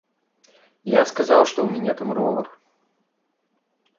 Я сказаў, што ў мяне там ровар.